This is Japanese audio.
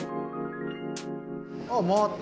あっ回った。